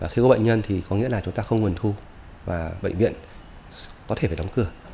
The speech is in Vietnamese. khi có bệnh nhân thì có nghĩa là chúng ta không nguồn thu và bệnh viện có thể phải đóng cửa